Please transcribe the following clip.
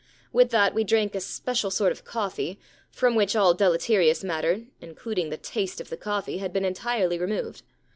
With that we drank a special sort of coffee, from which all deleterious matter, including the taste of coffee, had been entirely removed.